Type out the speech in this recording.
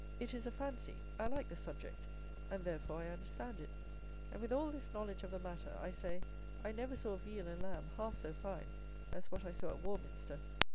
It is a fancy, I like the subject, and therefore I understand it; and with all this knowledge of the matter, I say I never saw veal and lamb half so fine as what I saw at Warminster.